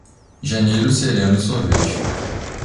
Janeiro sereno e sorvete.